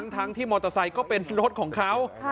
ทั้งที่มอเตอร์ไซค์ก็เป็นรถของเขา